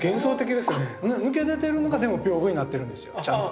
抜け出てるのがでも屏風になってるんですよ。